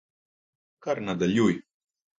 Kar nadaljuj.